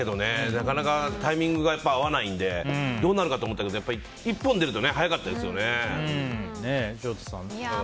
なかなかタイミングが合わないのでどうなるかと思ったけど１本出ると潮田さん、いかがですか？